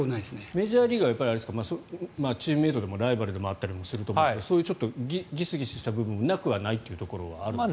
メジャーリーグはチームメートでもライバルでもあったりすると思うんですがそういうギスギスした部分もなくはないというところがあるんですか。